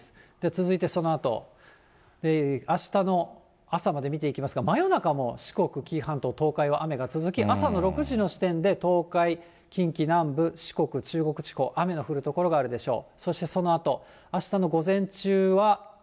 続いてそのあと、あしたの朝まで見ていきますが、真夜中も四国、紀伊半島、東海は雨が続き、朝の６時の時点で東海、近畿南部、四国、中国地方、雨の降る所があるでしょう。